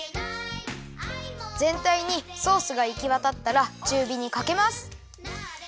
ぜんたいにソースがいきわたったらちゅうびにかけます。